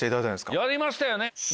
やりましたよね。